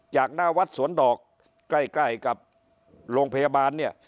จากหน้าวัดสวนดอกใกล้ใกล้กับโรงพยาบาลเนี่ย